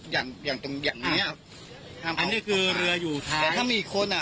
อย่างอย่างตรงอย่างเนี้ยครับอันนี้คือเรืออยู่ทางแต่ถ้ามีอีกคนอ่ะ